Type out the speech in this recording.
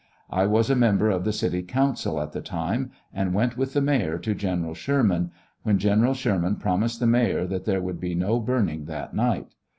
I was a member of the city council at the time, and went with the mayor to General Sherman, when General Sherman proniised the mayor that there would bo no burning that night.